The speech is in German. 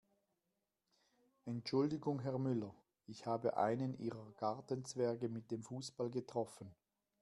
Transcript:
Entschuldigung Herr Müller, ich habe einen Ihrer Gartenzwerge mit dem Fußball getroffen.